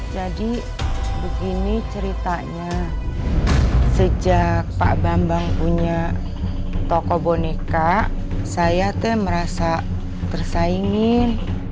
jadi begini ceritanya sejak pak bambang punya toko boneka saya tuh merasa tersaingin